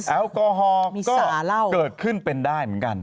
แอลกอฮอล์ก็เกิดขึ้นเป็นได้เหมือนกัน